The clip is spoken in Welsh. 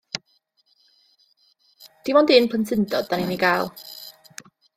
Dim ond un plentyndod 'dan ni'n ei gael.